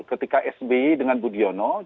ketika sbi dengan budiono